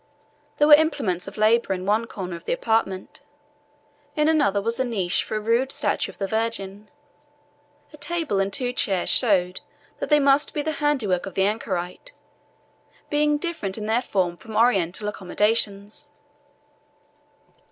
There were implements of labour in one corner of the apartment, in another was a niche for a rude statue of the Virgin. A table and two chairs showed that they must be the handiwork of the anchorite, being different in their form from Oriental accommodations.